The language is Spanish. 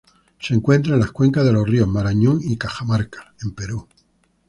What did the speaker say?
Se encuentran en las cuencas de los ríos Marañon y Cajamarca, en Perú.